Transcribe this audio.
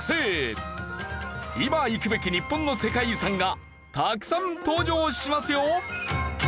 今行くべき日本の世界遺産がたくさん登場しますよ！